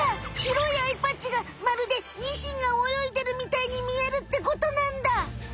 白いアイパッチがまるでニシンが泳いでるみたいに見えるってことなんだ。